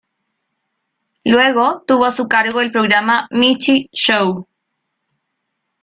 Luego tuvo a su cargo el programa "Michi Show".